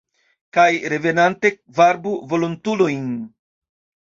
Kaj revenante varbu volontulojn!